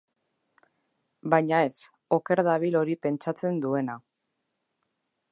Baina ez, oker dabil hori pentsatzen duena.